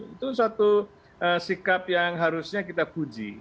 itu satu sikap yang harusnya kita puji